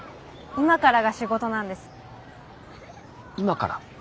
今から？